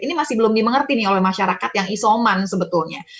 ini masih belum dimengerti nih oleh masyarakat yang isoman sebetulnya